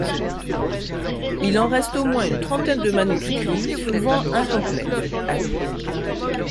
Il en reste au moins une trentaine de manuscrits, souvent incomplets.